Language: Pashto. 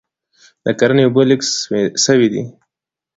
د کرني اوبه لږ سوي دي